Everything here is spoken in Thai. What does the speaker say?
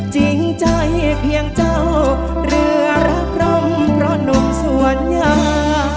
จริงใจเพียงเจ้าเรือรักร่มเพราะหนุ่มสวนยา